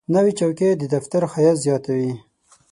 نوې چوکۍ د دفتر ښایست زیاتوي